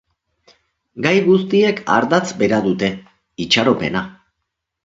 Gai guztiek ardatz bera dute: itxaropena.